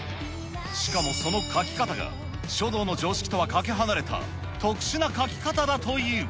しかもその書き方が、書道の常識とはかけ離れた、特殊な書き方だという。